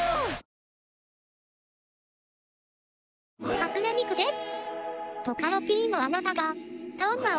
初音ミクです。